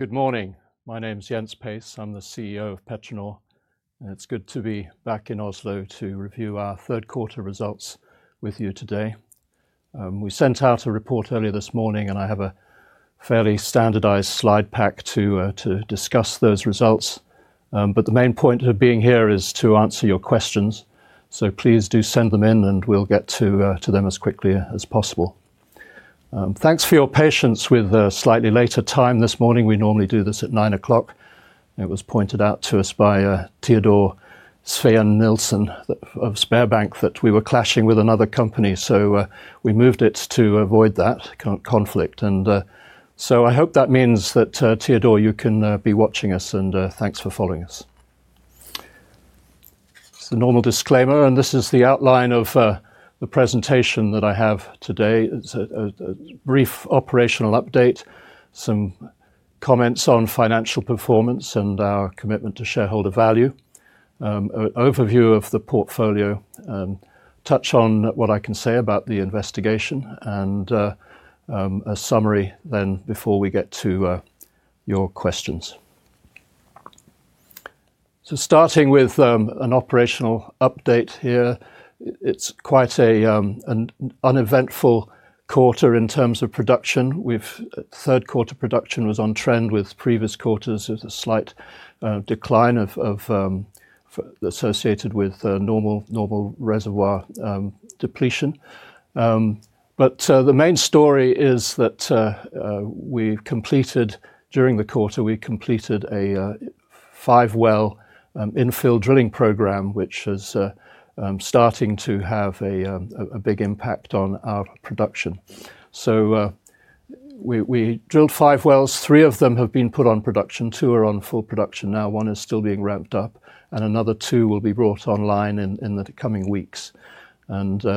Good morning. My name's Jens Pace. I'm the CEO of PetroNor, and it's good to be back in Oslo to review our third quarter results with you today. We sent out a report earlier this morning, and I have a fairly standardized slide pack to discuss those results. The main point of being here is to answer your questions, so please do send them in, and we'll get to them as quickly as possible. Thanks for your patience with the slightly later time this morning. We normally do this at 9:00 A.M. It was pointed out to us by Teodor Sveen-Nilsen of SpareBank that we were clashing with another company, so we moved it to avoid that conflict. I hope that means that, Teodor, you can be watching us, and thanks for following us. It's a normal disclaimer, and this is the outline of the presentation that I have today. It's a brief operational update, some comments on financial performance and our commitment to shareholder value, an overview of the portfolio, touch on what I can say about the investigation, and a summary then before we get to your questions. Starting with an operational update here, it's quite an uneventful quarter in terms of production. Third quarter production was on trend with previous quarters. There's a slight decline associated with normal reservoir depletion. The main story is that we've completed during the quarter, we completed a five-well infill drilling program, which is starting to have a big impact on our production. We drilled five wells. Three of them have been put on production. Two are on full production now. One is still being ramped up, and another two will be brought online in the coming weeks. The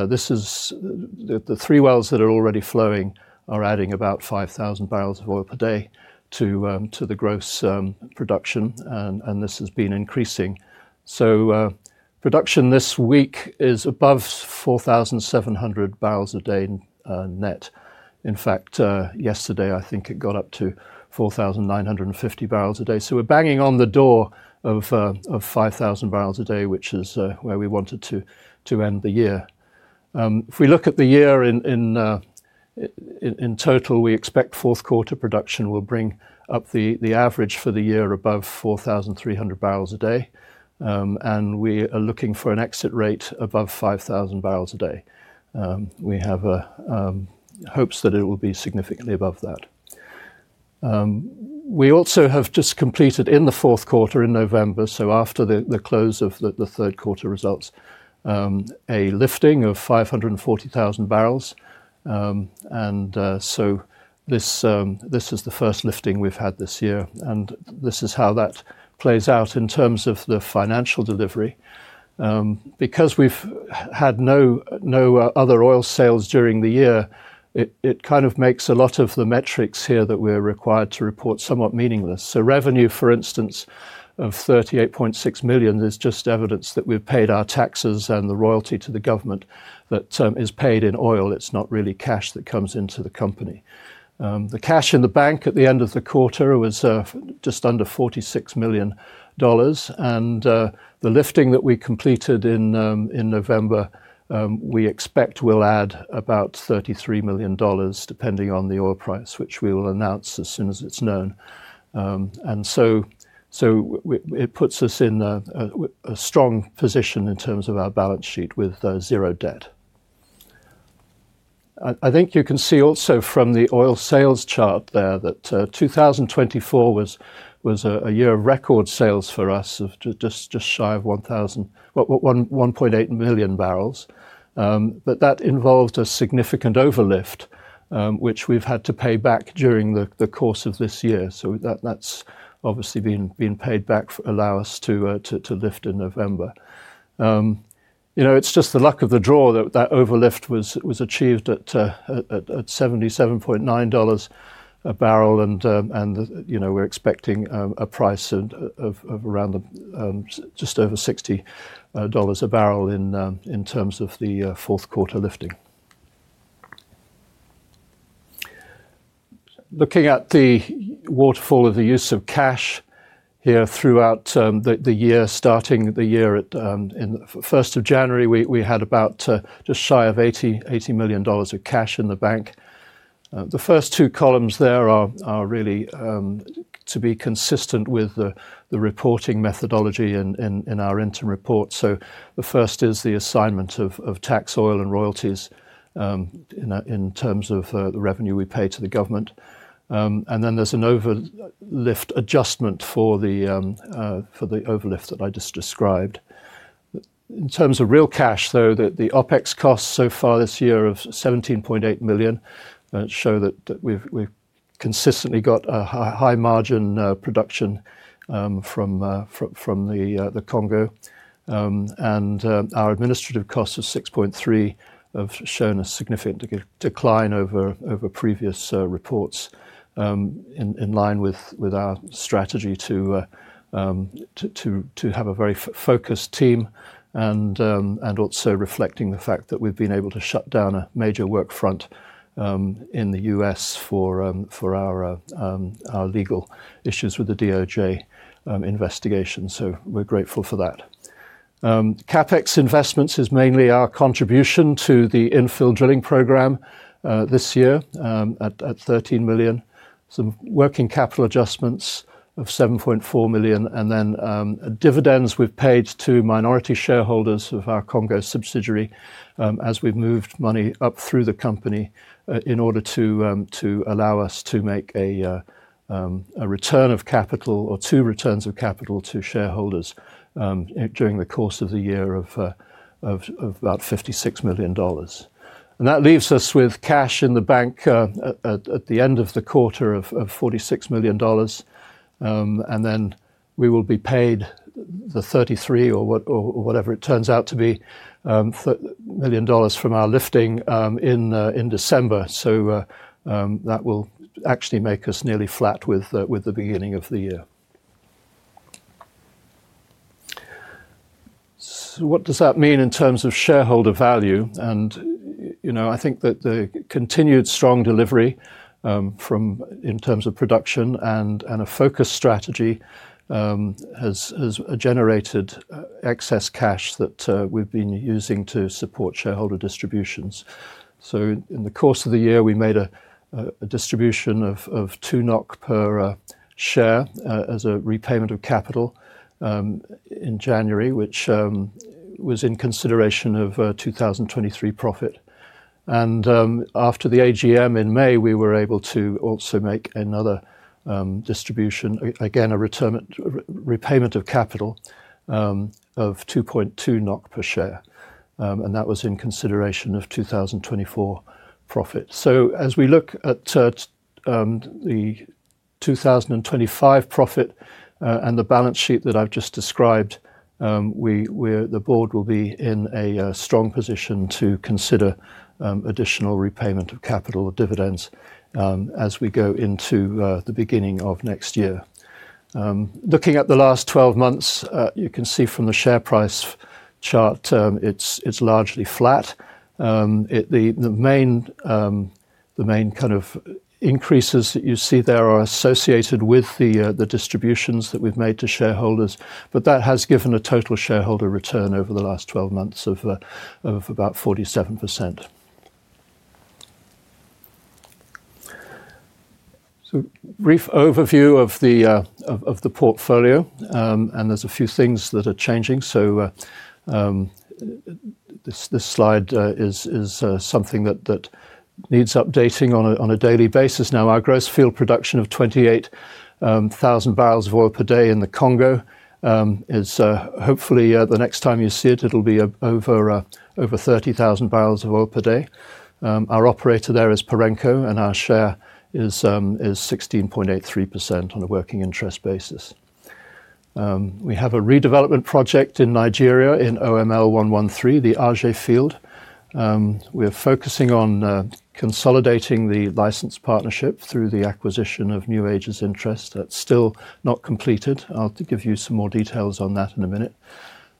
three wells that are already flowing are adding about 5,000 bbl of oil per day to the gross production, and this has been increasing. Production this week is above 4,700 bbl a day net. In fact, yesterday, I think it got up to 4,950 bbl a day. We are banging on the door of 5,000 bbl a day, which is where we wanted to end the year. If we look at the year in total, we expect fourth quarter production will bring up the average for the year above 4,300 bbl a day. We are looking for an exit rate above 5,000 bbl a day. We have hopes that it will be significantly above that. We also have just completed in the fourth quarter in November, after the close of the third quarter results, a lifting of 540,000 bbl. This is the first lifting we've had this year. This is how that plays out in terms of the financial delivery. Because we've had no other oil sales during the year, it kind of makes a lot of the metrics here that we're required to report somewhat meaningless. Revenue, for instance, of $38.6 million is just evidence that we've paid our taxes and the royalty to the government that is paid in oil. It's not really cash that comes into the company. The cash in the bank at the end of the quarter was just under $46 million. The lifting that we completed in November, we expect will add about $33 million, depending on the oil price, which we will announce as soon as it's known. We, it puts us in a strong position in terms of our balance sheet with zero debt. I think you can see also from the oil sales chart there that 2024 was a year of record sales for us of just shy of 1,000, 1.8 million bbl. That involved a significant overlift, which we've had to pay back during the course of this year. That has obviously been paid back to allow us to lift in November. You know, it's just the luck of the draw that that overlift was achieved at $77.9 a barrel. You know, we're expecting a price of around just over $60 a barrel in terms of the fourth quarter lifting. Looking at the waterfall of the use of cash here throughout the year, starting the year at the 1st of January, we had about just shy of $80 million of cash in the bank. The first two columns there are really to be consistent with the reporting methodology in our interim report. The first is the assignment of tax oil and royalties in terms of the revenue we pay to the government, and then there's an overlift adjustment for the overlift that I just described. In terms of real cash, though, the OpEx costs so far this year of $17.8 million show that we've consistently got a high margin production from the Congo. Our administrative costs of $6.3 million have shown a significant decline over previous reports, in line with our strategy to have a very focused team. This also reflects the fact that we've been able to shut down a major work front in the U.S. for our legal issues with the DOJ investigation. We are grateful for that. CapEx investments is mainly our contribution to the infill drilling program this year at $13 million. Some working capital adjustments of $7.4 million. Dividends we've paid to minority shareholders of our Congo subsidiary, as we've moved money up through the company, in order to allow us to make a return of capital or two returns of capital to shareholders, during the course of the year of about $56 million. That leaves us with cash in the bank, at the end of the quarter of $46 million. We will be paid the $33 million or whatever it turns out to be, from our lifting in December. That will actually make us nearly flat with the beginning of the year. What does that mean in terms of shareholder value? You know, I think that the continued strong delivery, in terms of production and a focused strategy, has generated excess cash that we've been using to support shareholder distributions. In the course of the year, we made a distribution of 2 NOK per share as a repayment of capital in January, which was in consideration of 2023 profit. After the AGM in May, we were able to also make another distribution, again a return repayment of capital, of 2.2 NOK per share, and that was in consideration of 2024 profit. As we look at the 2025 profit and the balance sheet that I've just described, the board will be in a strong position to consider additional repayment of capital or dividends as we go into the beginning of next year. Looking at the last 12 months, you can see from the share price chart, it's largely flat. The main kind of increases that you see there are associated with the distributions that we've made to shareholders, but that has given a total shareholder return over the last 12 months of about 47%. Brief overview of the portfolio. There's a few things that are changing. This slide is something that needs updating on a daily basis. Now, our gross field production of 28,000 bbl of oil per day in the Congo is, hopefully, the next time you see it, it'll be over 30,000 bbl of oil per day. Our operator there is Parenco, and our share is 16.83% on a working interest basis. We have a redevelopment project in Nigeria in OML 113, the Aje field. We are focusing on consolidating the license partnership through the acquisition of New Age's interest. That's still not completed. I'll give you some more details on that in a minute.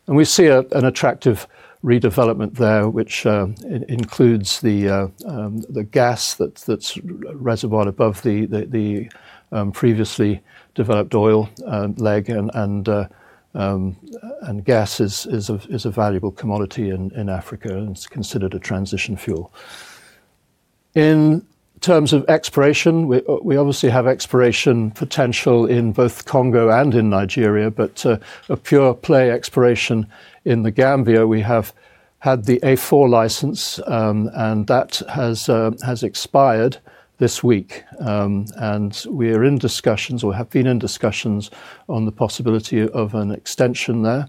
We see an attractive redevelopment there, which includes the gas that's reservoir above the previously developed oil leg. Gas is a valuable commodity in Africa, and it's considered a transition fuel. In terms of exploration, we obviously have exploration potential in both Congo and in Nigeria, but a pure play exploration in the Gambia, we have had the A4 license, and that has expired this week. We are in discussions or have been in discussions on the possibility of an extension there.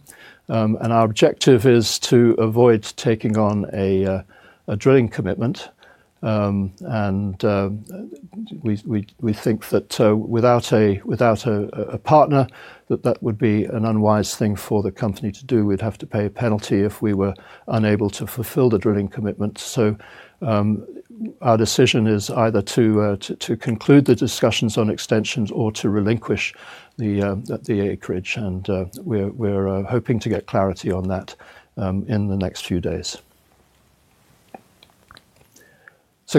Our objective is to avoid taking on a drilling commitment. We think that, without a partner, that would be an unwise thing for the company to do. We'd have to pay a penalty if we were unable to fulfill the drilling commitment. Our decision is either to conclude the discussions on extensions or to relinquish the acreage. We're hoping to get clarity on that in the next few days.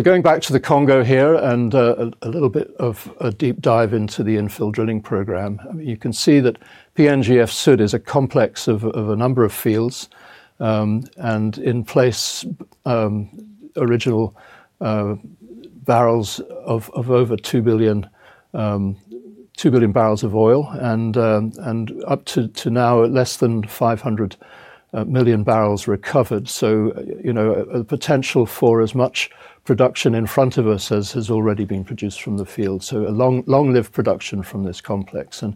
Going back to the Congo here and a little bit of a deep dive into the infill drilling program, I mean, you can see that PNGF Sud is a complex of a number of fields, and in place, original bbl of over 2 billion, 2 billion bbl of oil, and up to now less than 500 million bbl recovered. You know, a potential for as much production in front of us as has already been produced from the field. A long, long-lived production from this complex. The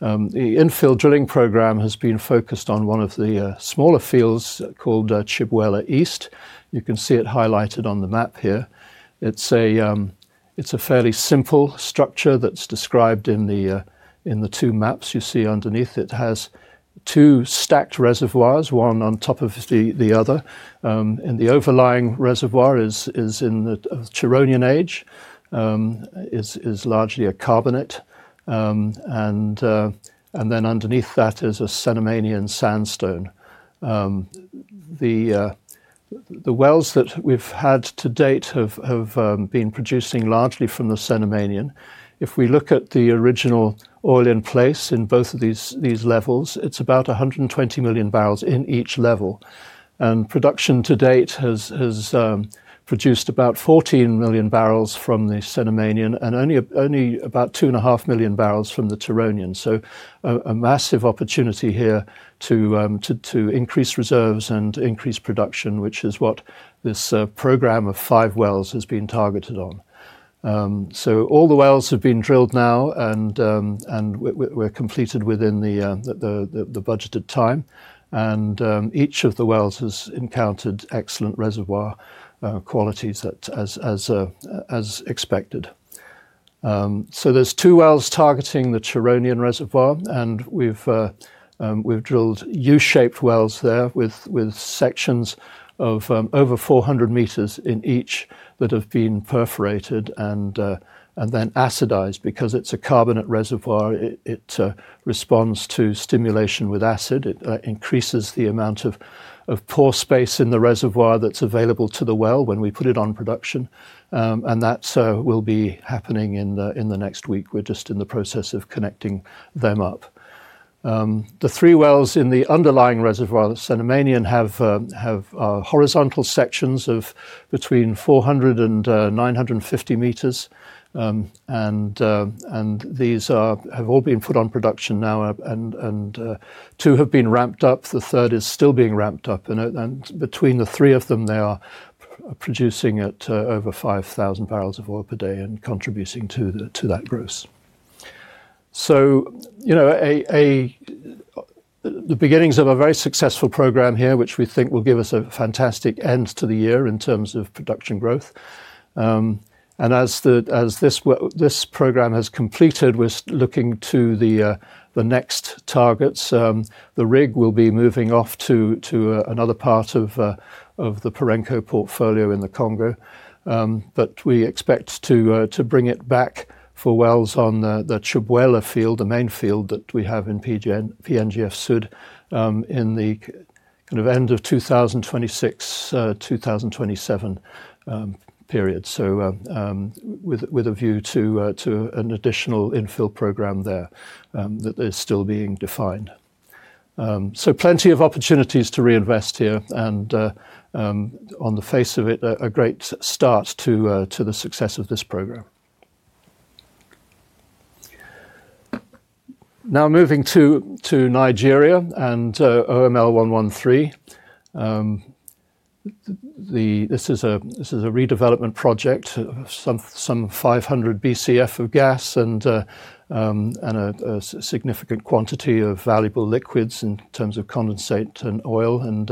infill drilling program has been focused on one of the smaller fields called Chibwela East. You can see it highlighted on the map here. It's a fairly simple structure that's described in the two maps you see underneath. It has two stacked reservoirs, one on top of the other. The overlying reservoir is in the Chironian age, is largely a carbonate. Underneath that is a Cenomanian sandstone. The wells that we've had to date have been producing largely from the Cenomanian. If we look at the original oil in place in both of these levels, it's about 120 million bbl in each level. Production to date has produced about 14 million bbl from the Cenomanian and only about 2.5 million bbl from the Chironian. A massive opportunity here to increase reserves and increase production, which is what this program of five wells has been targeted on. All the wells have been drilled now and were completed within the budgeted time. Each of the wells has encountered excellent reservoir qualities as expected. There are two wells targeting the Chironian reservoir, and we've drilled U-shaped wells there with sections of over 400 meters in each that have been perforated and then acidized because it's a carbonate reservoir. It responds to stimulation with acid. It increases the amount of pore space in the reservoir that's available to the well when we put it on production, and that will be happening in the next week. We're just in the process of connecting them up. The three wells in the underlying reservoir, the Cenomanian, have horizontal sections of between 400 and 950 meters, and these have all been put on production now, and two have been ramped up. The third is still being ramped up. Between the three of them, they are producing at over 5,000 bbl of oil per day and contributing to that growth. You know, the beginnings of a very successful program here, which we think will give us a fantastic end to the year in terms of production growth. As this program has completed, we're looking to the next targets. The rig will be moving off to another part of the Parenco portfolio in the Congo. We expect to bring it back for wells on the Chibwela field, the main field that we have in PNGF Sud, in the end of 2026-2027 period. With a view to an additional infill program there, that is still being defined. Plenty of opportunities to reinvest here and, on the face of it, a great start to the success of this program. Now moving to Nigeria and OML 113. This is a redevelopment project, some 500 BCF of gas and a significant quantity of valuable liquids in terms of condensate and oil and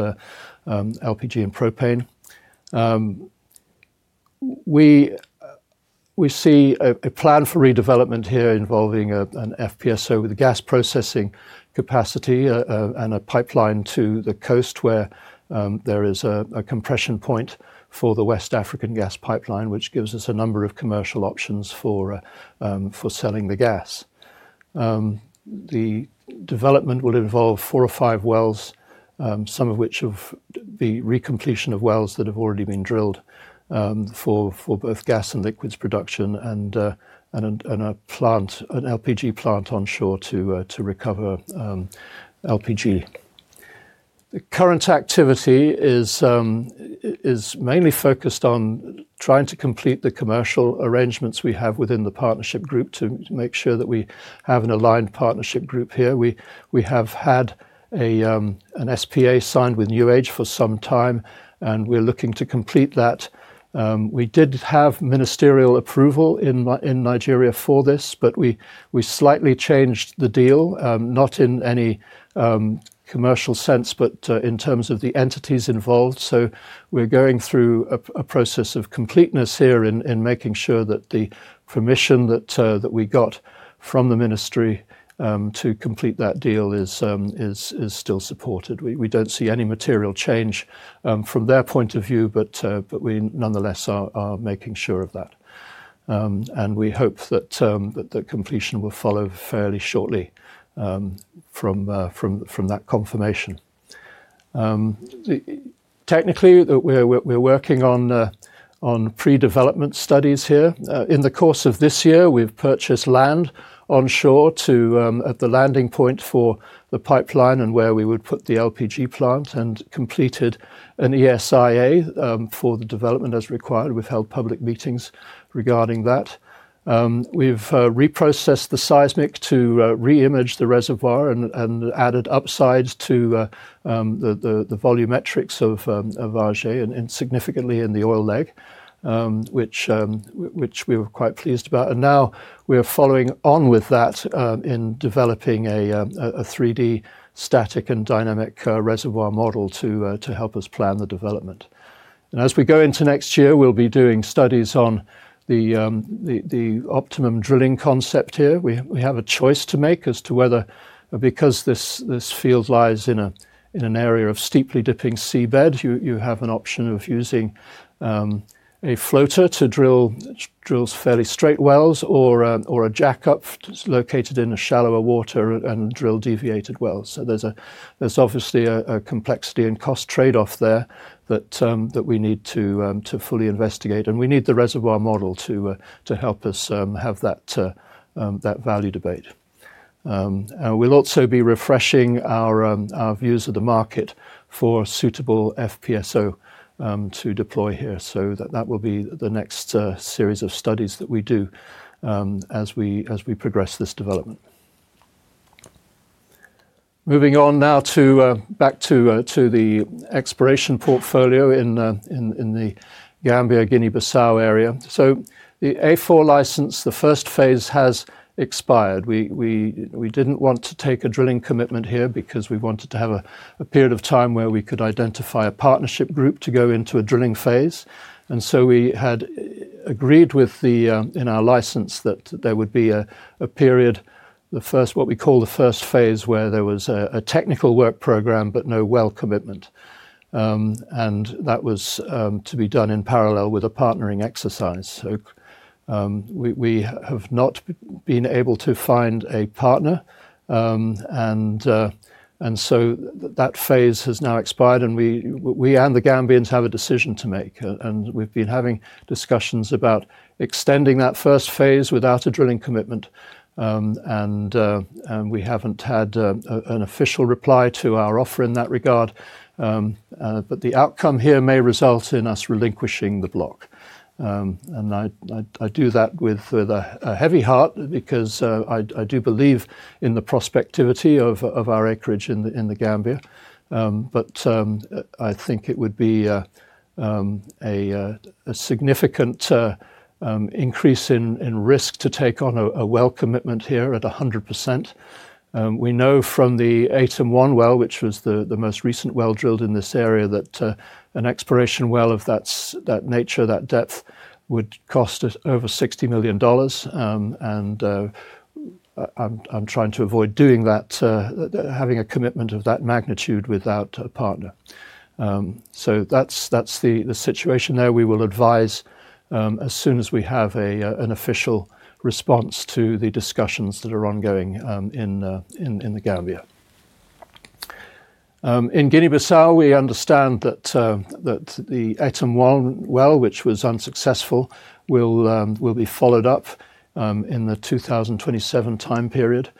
LPG and propane. We see a plan for redevelopment here involving an FPSO with a gas processing capacity, and a pipeline to the coast where there is a compression point for the West African gas pipeline, which gives us a number of commercial options for selling the gas. The development will involve four or five wells, some of which have the recompletion of wells that have already been drilled, for both gas and liquids production and a plant, an LPG plant onshore to recover LPG. The current activity is mainly focused on trying to complete the commercial arrangements we have within the partnership group to make sure that we have an aligned partnership group here. We have had an SPA signed with New Age for some time, and we're looking to complete that. We did have ministerial approval in Nigeria for this, but we slightly changed the deal, not in any commercial sense, but in terms of the entities involved. We are going through a process of completeness here in making sure that the permission that we got from the ministry to complete that deal is still supported. We do not see any material change from their point of view, but we nonetheless are making sure of that. We hope that the completion will follow fairly shortly from that confirmation. Technically, we are working on pre-development studies here. In the course of this year, we have purchased land onshore at the landing point for the pipeline and where we would put the LPG plant and completed an ESIA for the development as required. We've held public meetings regarding that. We've reprocessed the seismic to reimage the reservoir and added upside to the volumetrics of Aje and significantly in the oil leg, which we were quite pleased about. We are following on with that in developing a 3D static and dynamic reservoir model to help us plan the development. As we go into next year, we'll be doing studies on the optimum drilling concept here. We have a choice to make as to whether, because this field lies in an area of steeply dipping seabed, you have an option of using a floater to drill fairly straight wells or a jackup that's located in shallower water and drill deviated wells. There is obviously a complexity and cost trade-off there that we need to fully investigate. We need the reservoir model to help us have that value debate. We'll also be refreshing our views of the market for suitable FPSO to deploy here. That will be the next series of studies that we do as we progress this development. Moving on now to the exploration portfolio in the Gambia, Guinea-Bissau area. The A4 license, the first phase has expired. We did not want to take a drilling commitment here because we wanted to have a period of time where we could identify a partnership group to go into a drilling phase. We had agreed in our license that there would be a period, the first, what we call the first phase, where there was a technical work program but no well commitment. That was to be done in parallel with a partnering exercise. We have not been able to find a partner, and that phase has now expired. We and the Gambians have a decision to make. We have been having discussions about extending that first phase without a drilling commitment, and we have not had an official reply to our offer in that regard. The outcome here may result in us relinquishing the block. I do that with a heavy heart because I do believe in the prospectivity of our acreage in the Gambia. I think it would be a significant increase in risk to take on a well commitment here at 100%. We know from the Atom One well, which was the most recent well drilled in this area, that an exploration well of that nature, that depth, would cost us over $60 million. I'm trying to avoid doing that, having a commitment of that magnitude without a partner. That's the situation there. We will advise as soon as we have an official response to the discussions that are ongoing in the Gambia. In Guinea-Bissau, we understand that the Atom One well, which was unsuccessful, will be followed up in the 2027 time period.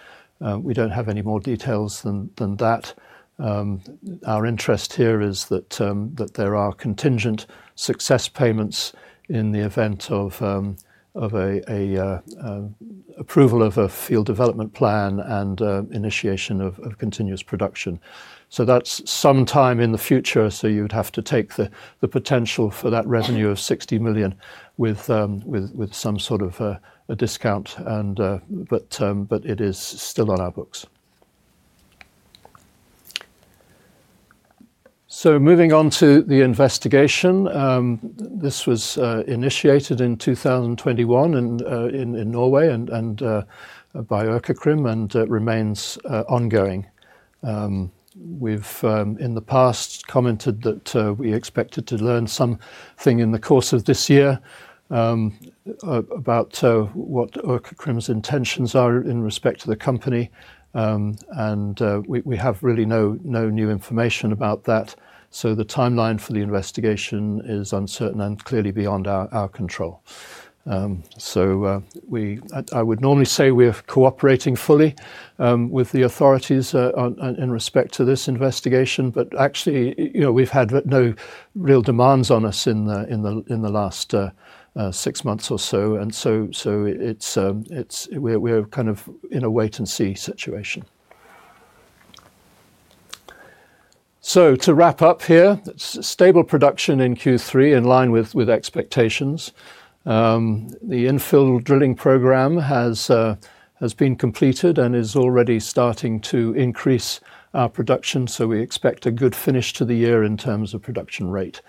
We don't have any more details than that. Our interest here is that there are contingent success payments in the event of a approval of a field development plan and initiation of continuous production. That is sometime in the future. You would have to take the potential for that revenue of $60 million with some sort of a discount. It is still on our books. Moving on to the investigation, this was initiated in 2021 in Norway by Økokrim and remains ongoing. We've in the past commented that we expected to learn something in the course of this year about what Økokrim's intentions are in respect to the company. We have really no new information about that. The timeline for the investigation is uncertain and clearly beyond our control. We, I would normally say we are cooperating fully with the authorities in respect to this investigation, but actually, you know, we've had no real demands on us in the last six months or so. It's, we're kind of in a wait and see situation. To wrap up here, stable production in Q3 in line with expectations. The infill drilling program has been completed and is already starting to increase our production. We expect a good finish to the year in terms of production rate.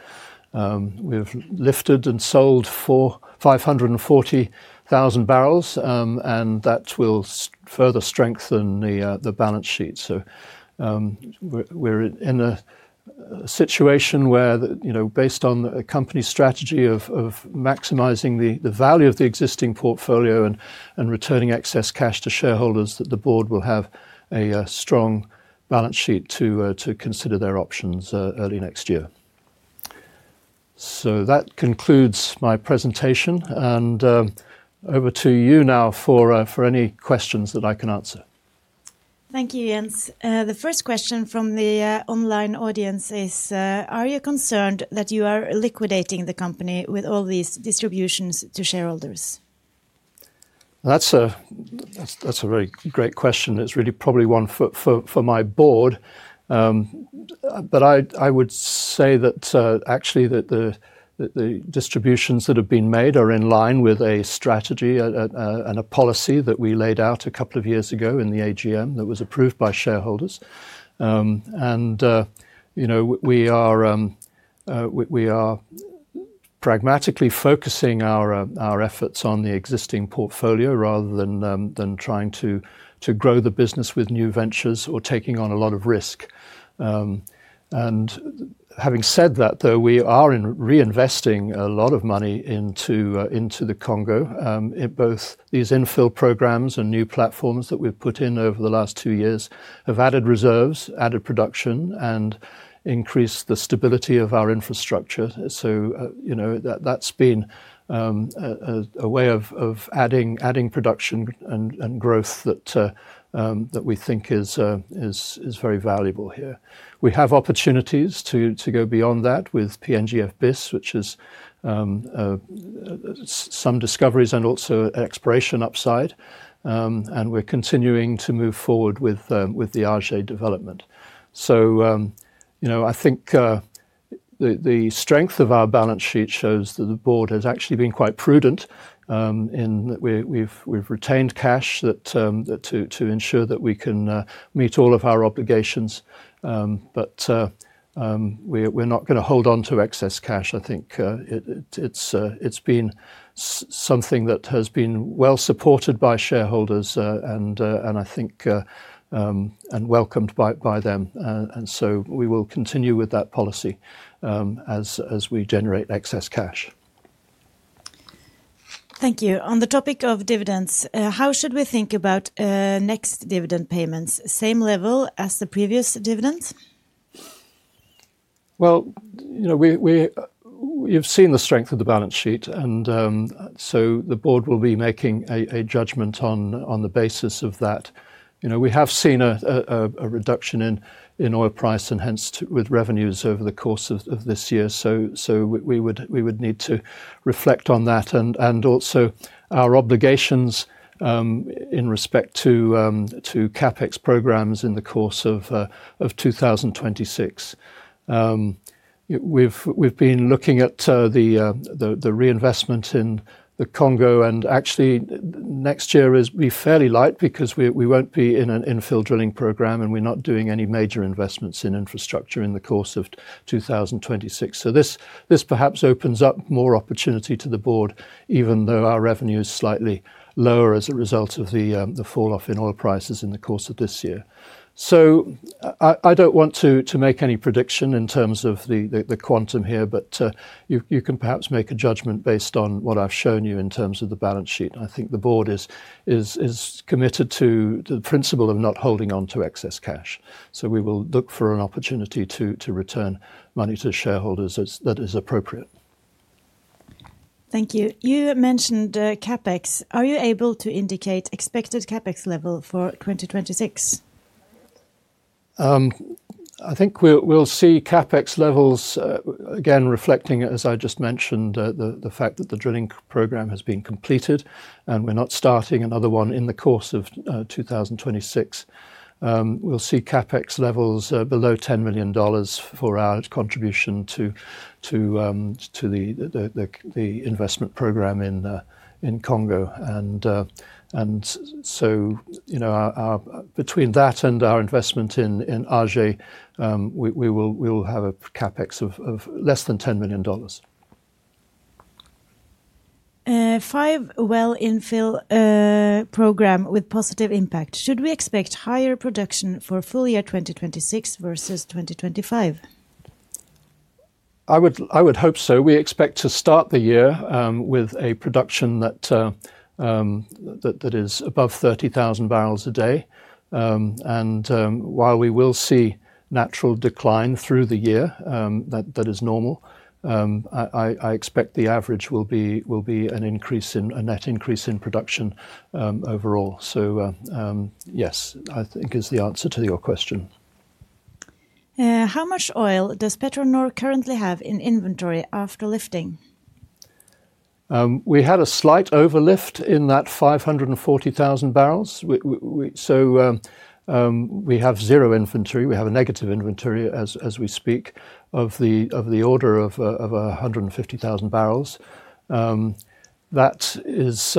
We've lifted and sold 540,000 bbl, and that will further strengthen the balance sheet. We're in a situation where, you know, based on the company strategy of maximizing the value of the existing portfolio and returning excess cash to shareholders, the board will have a strong balance sheet to consider their options early next year. That concludes my presentation and over to you now for any questions that I can answer. Thank you, Jens. The first question from the online audience is, are you concerned that you are liquidating the company with all these distributions to shareholders? That's a very great question. It's really probably one for my board. I would say that, actually, the distributions that have been made are in line with a strategy and a policy that we laid out a couple of years ago in the AGM that was approved by shareholders. You know, we are pragmatically focusing our efforts on the existing portfolio rather than trying to grow the business with new ventures or taking on a lot of risk. Having said that, though, we are reinvesting a lot of money into the Congo. Both these infill programs and new platforms that we have put in over the last two years have added reserves, added production, and increased the stability of our infrastructure. You know, that has been a way of adding production and growth that we think is very valuable here. We have opportunities to go beyond that with PNGF Bis, which is some discoveries and also exploration upside. We are continuing to move forward with the Aje development. I think the strength of our balance sheet shows that the board has actually been quite prudent, in that we have retained cash to ensure that we can meet all of our obligations. We are not going to hold onto excess cash. I think it has been something that has been well supported by shareholders, and I think, and welcomed by them. We will continue with that policy as we generate excess cash. Thank you. On the topic of dividends, how should we think about next dividend payments? Same level as the previous dividends? You know, we have seen the strength of the balance sheet and the board will be making a judgment on the basis of that. You know, we have seen a reduction in oil price and hence with revenues over the course of this year. We would need to reflect on that and also our obligations in respect to CapEx programs in the course of 2026. We've been looking at the reinvestment in the Congo and actually next year is be fairly light because we won't be in an infill drilling program and we're not doing any major investments in infrastructure in the course of 2026. This perhaps opens up more opportunity to the board, even though our revenue is slightly lower as a result of the falloff in oil prices in the course of this year. I don't want to make any prediction in terms of the quantum here, but you can perhaps make a judgment based on what I've shown you in terms of the balance sheet. I think the board is committed to the principle of not holding onto excess cash. We will look for an opportunity to return money to shareholders that is appropriate. Thank you. You mentioned CapEx. Are you able to indicate expected CapEx level for 2026? I think we'll see CapEx levels, again, reflecting, as I just mentioned, the fact that the drilling program has been completed and we're not starting another one in the course of 2026. We'll see CapEx levels below $10 million for our contribution to the investment program in Congo. You know, between that and our investment in Aje, we will have a CapEx of less than $10 million. Five well infill program with positive impact. Should we expect higher production for full year 2026 versus 2025? I would hope so. We expect to start the year with a production that is above 30,000 bbl a day, and while we will see natural decline through the year, that is normal. I expect the average will be, will be an increase in a net increase in production, overall. Yes, I think is the answer to your question. How much oil does PetroNor currently have in inventory after lifting? We had a slight overlift in that 540,000 bbl. We have zero inventory. We have a negative inventory as we speak of the order of 150,000 bbl. That is,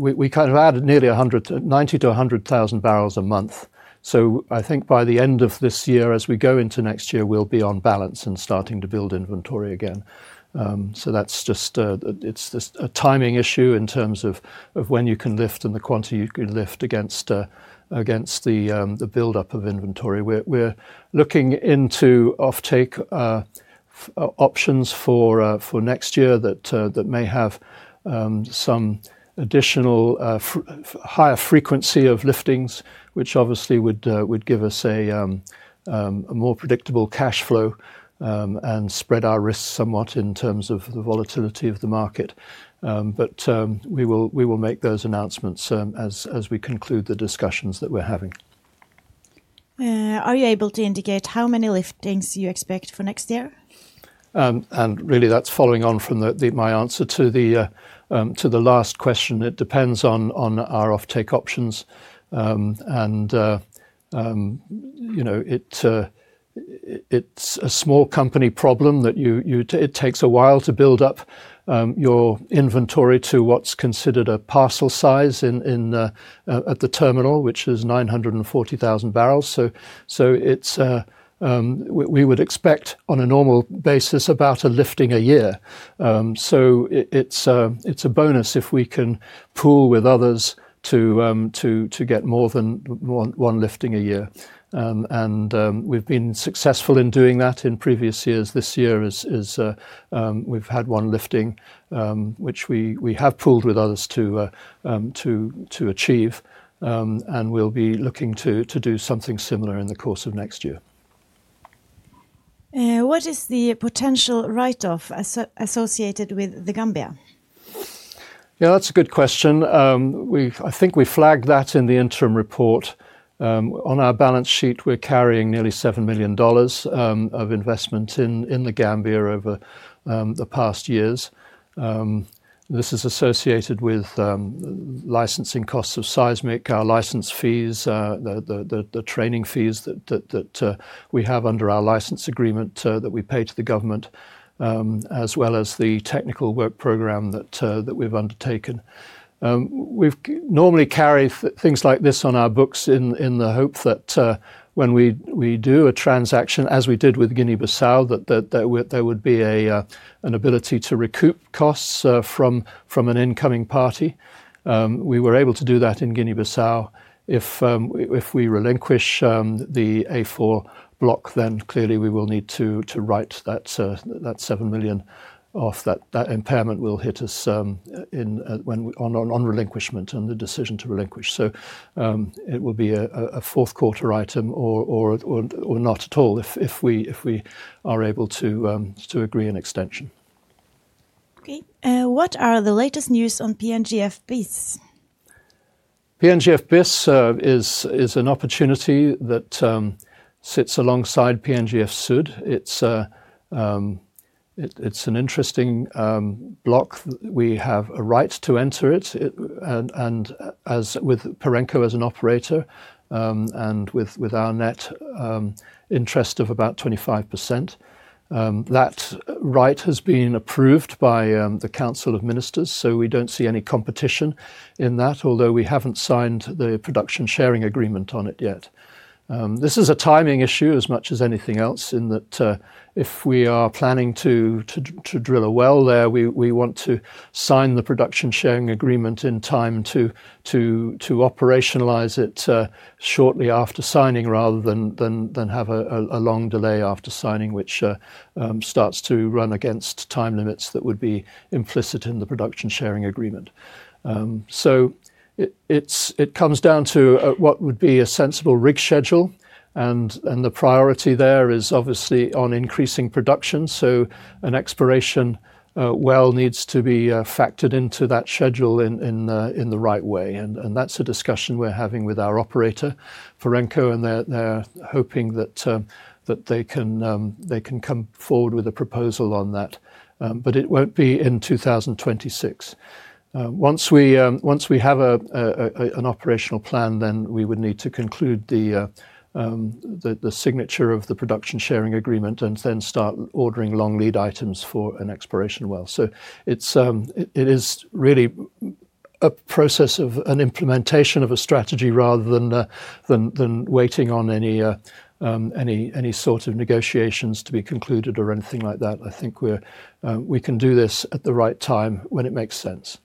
we kind of add nearly 90 to 100,000 bbl a month. I think by the end of this year, as we go into next year, we'll be on balance and starting to build inventory again. That's just, it's just a timing issue in terms of when you can lift and the quantity you can lift against the buildup of inventory. We're looking into offtake options for next year that may have some additional, higher frequency of liftings, which obviously would give us a more predictable cash flow and spread our risk somewhat in terms of the volatility of the market. We will make those announcements as we conclude the discussions that we're having. Are you able to indicate how many liftings you expect for next year? Really, that's following on from my answer to the last question. It depends on our offtake options. You know, it's a small company problem that it takes a while to build up your inventory to what's considered a parcel size at the terminal, which is 940,000 bbl. We would expect on a normal basis about a lifting a year. It’s a bonus if we can pool with others to get more than one lifting a year. We’ve been successful in doing that in previous years. This year, we’ve had one lifting, which we have pooled with others to achieve. We’ll be looking to do something similar in the course of next year. What is the potential write-off associated with the Gambia? Yeah, that’s a good question. I think we flagged that in the interim report. On our balance sheet, we’re carrying nearly $7 million of investment in the Gambia over the past years. This is associated with licensing costs of seismic, our license fees, the training fees that we have under our license agreement that we pay to the government, as well as the technical work program that we have undertaken. We have normally carried things like this on our books in the hope that when we do a transaction, as we did with Guinea-Bissau, that there would be an ability to recoup costs from an incoming party. We were able to do that in Guinea-Bissau. If we relinquish the A4 block, then clearly we will need to write that $7 million off. That impairment will hit us on relinquishment and the decision to relinquish. It will be a fourth quarter item or not at all if we are able to agree an extension. Okay. What are the latest news on PNGF BIS? PNGF Bis is an opportunity that sits alongside PNGF Sud. It's an interesting block. We have a right to enter it, and as with Parenco as an operator, and with our net interest of about 25%, that right has been approved by the Council of Ministers. We don't see any competition in that, although we haven't signed the production sharing agreement on it yet. This is a timing issue as much as anything else in that, if we are planning to, to drill a well there, we want to sign the production sharing agreement in time to, to operationalize it, shortly after signing rather than have a long delay after signing, which starts to run against time limits that would be implicit in the production sharing agreement. It comes down to what would be a sensible rig schedule. The priority there is obviously on increasing production. An exploration well needs to be factored into that schedule in the right way. That is a discussion we're having with our operator, Parenco, and they're hoping that they can come forward with a proposal on that. It won't be in 2026. Once we have an operational plan, then we would need to conclude the signature of the production sharing agreement and then start ordering long lead items for an exploration well. It is really a process of an implementation of a strategy rather than waiting on any sort of negotiations to be concluded or anything like that. I think we can do this at the right time when it makes sense.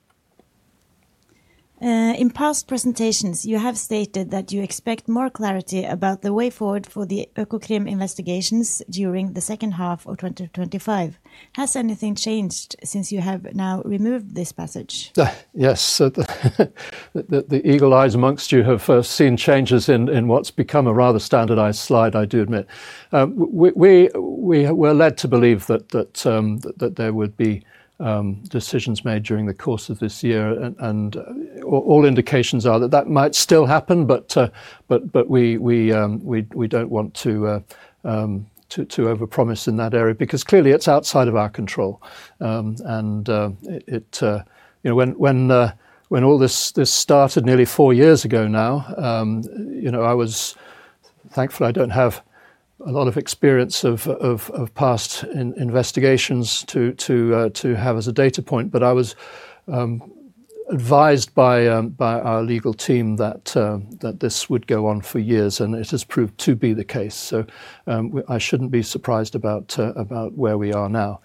In past presentations, you have stated that you expect more clarity about the way forward for the EcoCrim investigations during the second half of 2025. Has anything changed since you have now removed this passage? Yes. The eagle eyes amongst you have seen changes in what has become a rather standardized slide, I do admit. We were led to believe that there would be decisions made during the course of this year. All indications are that that might still happen, but we do not want to overpromise in that area because clearly it is outside of our control. It, you know, when all this started nearly four years ago now, I was thankful I do not have a lot of experience of past investigations to have as a data point, but I was advised by our legal team that this would go on for years and it has proved to be the case. I should not be surprised about where we are now.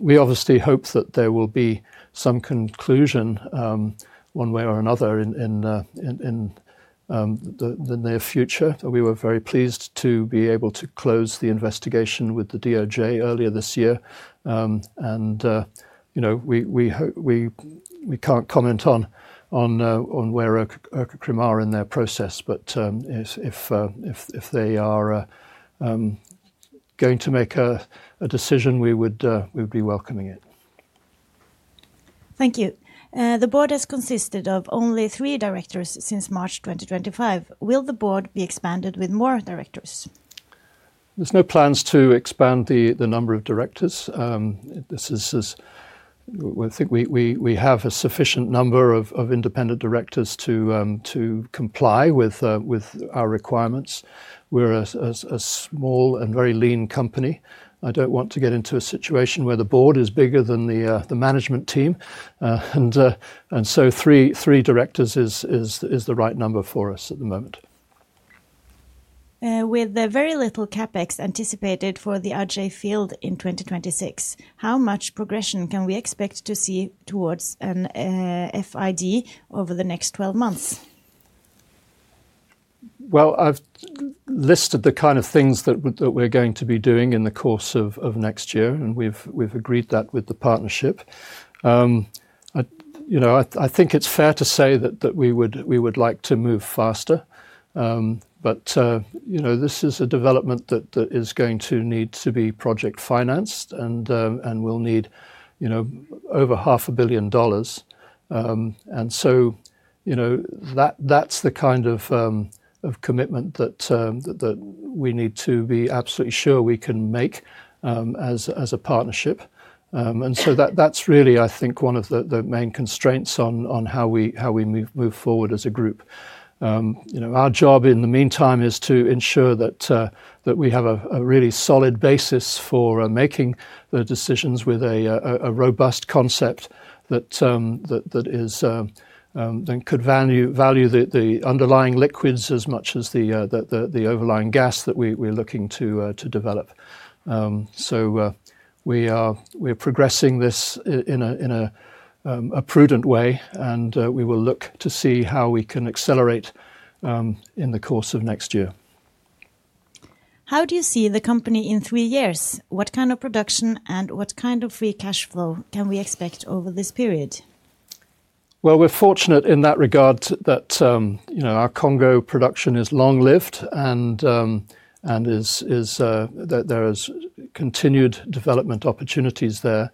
We obviously hope that there will be some conclusion, one way or another, in the near future. We were very pleased to be able to close the investigation with the DOJ earlier this year. And, you know, we hope, we can't comment on where EcoCrim are in their process, but if they are going to make a decision, we would be welcoming it. Thank you. The board has consisted of only three directors since March 2025. Will the board be expanded with more directors? There's no plans to expand the number of directors. This is, I think, we have a sufficient number of independent directors to comply with our requirements. We're a small and very lean company. I don't want to get into a situation where the board is bigger than the management team, and so three directors is the right number for us at the moment. With the very little CapEx anticipated for the Aje field in 2026, how much progression can we expect to see towards an FID over the next 12 months? I have listed the kind of things that we are going to be doing in the course of next year, and we have agreed that with the partnership. I think it is fair to say that we would like to move faster. This is a development that is going to need to be project financed and will need over $500 million. And so, you know, that, that's the kind of, of commitment that, that we need to be absolutely sure we can make, as, as a partnership. And so that, that's really, I think, one of the, the main constraints on, on how we, how we move, move forward as a group. You know, our job in the meantime is to ensure that, that we have a, a really solid basis for, making the decisions with a, a, a robust concept that, that, that is, that could value, value the, the underlying liquids as much as the, the, the, the overlying gas that we, we are looking to, to develop. So, we are, we are progressing this in a, in a, a prudent way, and, we will look to see how we can accelerate, in the course of next year. How do you see the company in three years? What kind of production and what kind of free cash flow can we expect over this period? We're fortunate in that regard that, you know, our Congo production is long lived and is, that there is continued development opportunities there.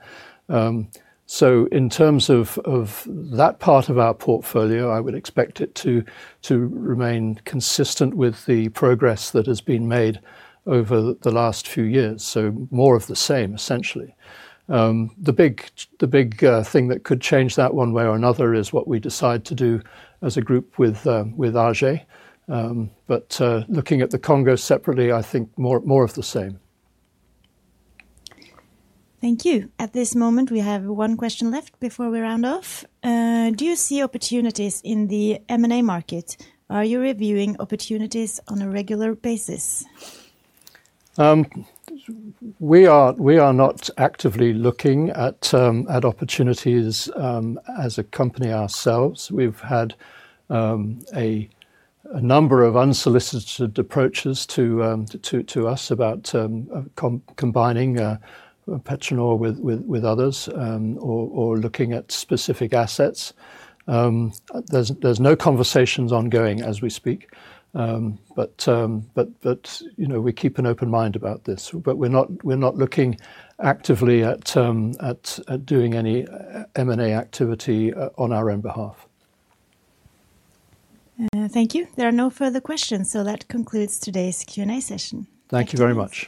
In terms of that part of our portfolio, I would expect it to remain consistent with the progress that has been made over the last few years. More of the same, essentially. The big thing that could change that one way or another is what we decide to do as a group with Aje. Looking at the Congo separately, I think more of the same. Thank you. At this moment, we have one question left before we round off. Do you see opportunities in the M&A market? Are you reviewing opportunities on a regular basis? We are not actively looking at opportunities as a company ourselves. We've had a number of unsolicited approaches to us about combining PetroNor with others or looking at specific assets. There are no conversations ongoing as we speak. You know, we keep an open mind about this, but we're not looking actively at doing any M&A activity on our own behalf. Thank you. There are no further questions. That concludes today's Q&A session. Thank you very much.